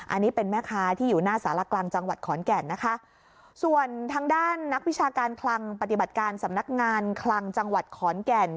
อันนี้เป็นแม่ค้าที่อยู่หน้าสารกลางจังหวัดขอนแก่นนะคะส่วนทางด้านนักวิชาการคลังปฏิบัติการสำนักงานคลังจังหวัดขอนแก่น